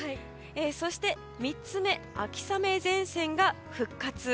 そして３つ目、秋雨前線が復活。